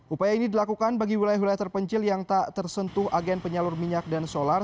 upaya ini dilakukan bagi wilayah wilayah terpencil yang tak tersentuh agen penyalur minyak dan solar